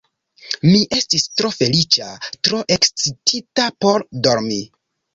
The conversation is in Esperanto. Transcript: Mi estis tro feliĉa, tro ekscitita por dormi.